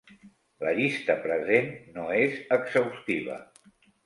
La llista present no és exhaustiva.